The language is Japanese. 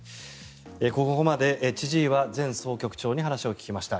ここまで千々岩前総局長に話を聞きました。